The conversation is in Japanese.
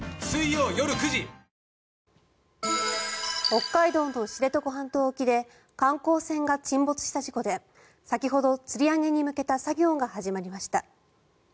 北海道の知床半島沖で観光船が沈没した事故で先ほどつり上げに向けた作業が始まりました。